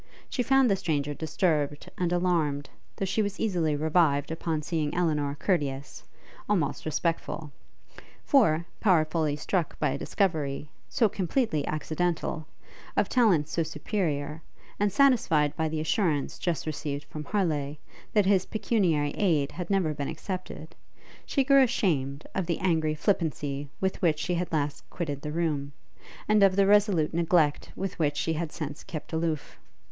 She found the stranger disturbed and alarmed, though she was easily revived upon seeing Elinor courteous, almost respectful; for, powerfully struck by a discovery, so completely accidental, of talents so superior, and satisfied by the assurance just received from Harleigh, that his pecuniary aid had never been accepted, she grew ashamed of the angry flippancy with which she had last quitted the room, and of the resolute neglect with which she had since kept aloof.